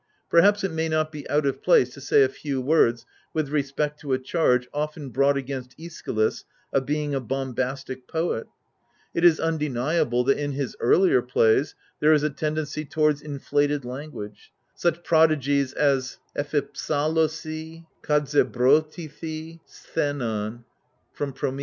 Perhaps it may not be out of place to say a few words with respect to a charge, often brought against ^schylus, of being a bombastic poet. It is undeniable that in his earlier plays there is a tendency towards inflated language ; such prodigies as ^^xf/aXdOrf Kd^elSpovrrjOrj or^cvos (Prom,